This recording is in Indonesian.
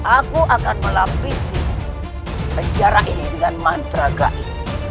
aku akan melapisi penjara ini dengan mantra gai